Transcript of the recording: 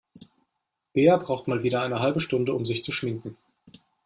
Bea braucht mal wieder eine halbe Stunde, um sich zu schminken.